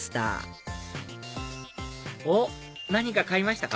おっ何か買いましたか？